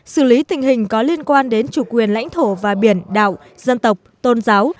xử lý tình hình có liên quan đến chủ quyền lãnh thổ và biển đảo dân tộc tôn giáo